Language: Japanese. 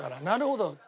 なるほど！